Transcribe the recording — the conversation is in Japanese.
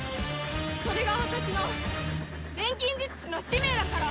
それが私の錬金術師の使命だから！